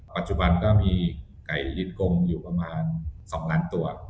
ปัจจุบันก็มีไก่ดินกงอยู่ประมาณ๒ล้านตัว